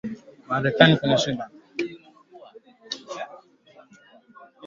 Vidonda hujitokeza katika maeneo mbalimbali ya ngozi